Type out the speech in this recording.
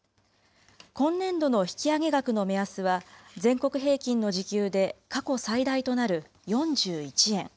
今年度の引き上げ額の目安は、全国平均の時給で過去最大となる４１円。